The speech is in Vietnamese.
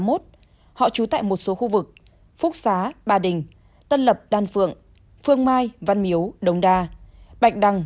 họ trú tại một số khu vực phúc xá ba đình tân lập đan phượng phương mai văn miếu đông đa bạch đằng